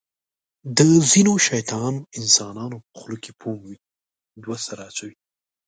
د ځینو شیطان انسانانو په خوله کې فوم وي. دوه سره اچوي.